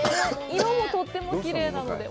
色もとってもきれいなので。